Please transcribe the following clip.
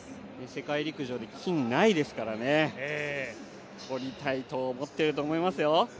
世界陸上で金、ないですからね取りたいと思っていると思いますよ。